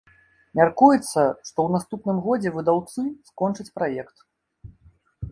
Мяркуецца, што ў наступным годзе выдаўцы скончаць праект.